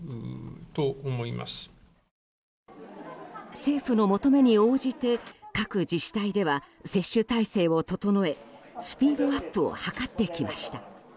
政府の求めに応じて各自治体では接種体制を整えスピードアップを図ってきました。